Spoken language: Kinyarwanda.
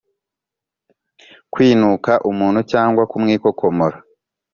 kwinuka umunru cyangwa kumwikokomora;